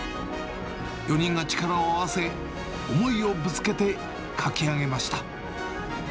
４人が力を合わせ、思いをぶつけて、描き上げました。